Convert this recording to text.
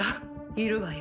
いるわよ。